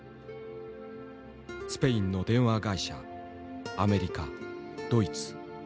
スペインの電話会社アメリカドイツ。